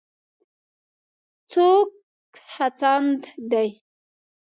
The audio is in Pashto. څوک هڅاند دی.